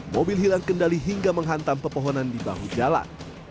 mobil hilang kendali hingga menghantam pepohonan di bahu jalan